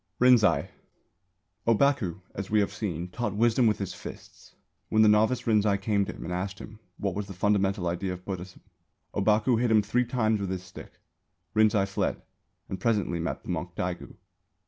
RINZAI. Ōbaku, as we have seen, taught wisdom with his fists. When the novice Rinzai came to him and asked him what was the fundamental idea of Buddhism, Ōbaku hit him three times with his stick. Rinzai fled and presently met the monk Daigu.